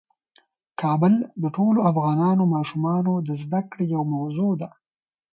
کابل د ټولو افغان ماشومانو د زده کړې یوه موضوع ده.